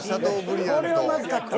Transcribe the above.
これはまず勝った。